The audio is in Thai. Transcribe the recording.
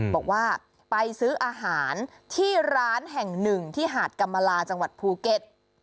บอกว่าไปซื้ออาหารที่ร้านแห่งหนึ่งที่หาดกรรมลาจังหวัดภูเก็ต